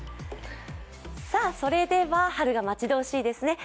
それでは春が待ち遠しいですね。